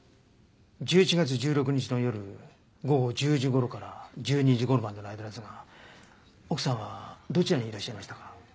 １１月１６日の夜午後１０時頃から１２時頃までの間ですが奥さんはどちらにいらっしゃいましたか？